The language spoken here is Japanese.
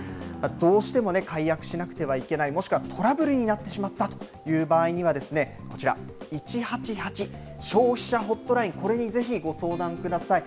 どうしてもね、解約しなくてはいけない、もしくはトラブルになってしまったという場合には、こちら、１８８、消費者ホットライン、これにぜひご相談ください。